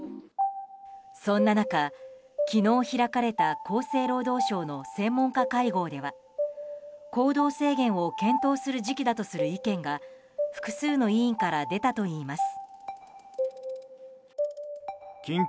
そんな中、昨日開かれた厚生労働省の専門家会合では行動制限を検討する時期だとする意見が複数の委員から出たといいます。